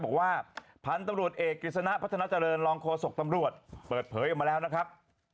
บอกว่าพันธุ์ตำรวจเอกกฤษณะพัฒนาเจริญรองโฆษกตำรวจเปิดเผยออกมาแล้วนะครับ